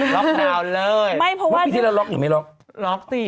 ล็อกดาวน์เลยไม่เพราะว่าพี่ที่เราล็อกอยู่มั้ยล็อกล็อกสิ